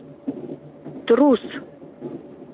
Трус!